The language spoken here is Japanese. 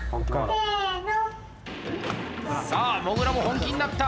さあもぐらも本気になった！